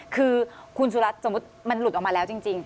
คือคุณสุรัตน์สมมุติมันหลุดออกมาแล้วจริง